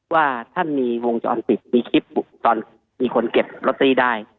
ว่าท่านมีวงจรปิดมีคลิปตอนมีคนเก็บลอตเตอรี่ได้